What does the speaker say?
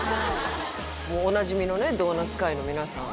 おなじみのねドーナツ会員の皆さん